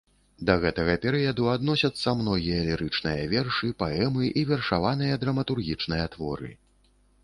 Да гэтага перыяду адносяцца многія лірычныя вершы, паэмы і вершаваныя драматургічныя творы.